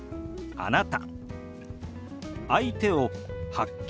「あなた」。